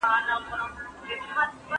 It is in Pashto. ماشوم چي تمرکز کوي ښه زده کوي.